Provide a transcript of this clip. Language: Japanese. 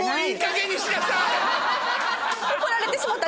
怒られてしもうた！